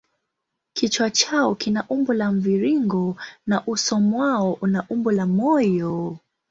Kichwa chao kina umbo la mviringo na uso mwao una umbo la moyo.